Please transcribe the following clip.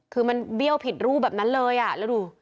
คือมันเบี้ยวผิดรูปแบบนั้นเลยอ่ะแล้วดู